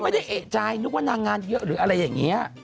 ไม่ได้เอกใจนึกว่านางงานเยอะหรืออะไรอย่างนี้